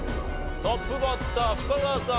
トップバッター深澤さん